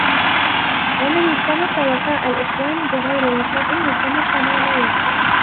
وَمَنْ الْتَمَسَ وَفَاءَ الْإِخْوَانِ بِغَيْرِ وَفَاءٍ الْتَمَسَ مَا لَا يَكُونُ